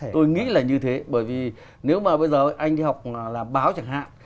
tôi nghĩ là như thế bởi vì nếu mà bây giờ anh đi học làm báo chẳng hạn